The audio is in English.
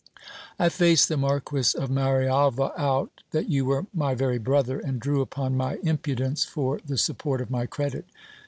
I faced the Marquis of Marialva out, that you were my very brother, and drew upon my impudence for the support of my credit.